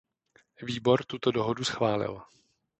Výbor tuto dohodu schválil.